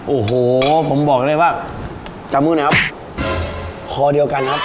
โอ้โหผมบอกเลยว่าจำมือนะครับคอเดียวกันครับ